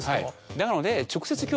なので。